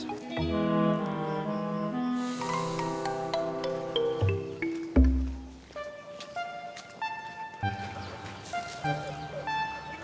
tapi itu ada sih